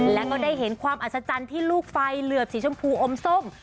แล้วก็ได้เห็นความอัศจรรย์ที่ลูกไฟเหลือบสีชมพูอมส้ม